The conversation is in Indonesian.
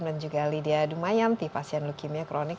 dan juga lydia dumayanti pasien leukemia kronik